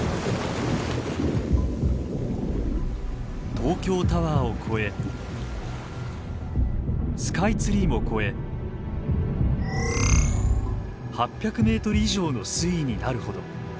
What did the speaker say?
東京タワーを超えスカイツリーも超え８００ｍ以上の水位になるほど。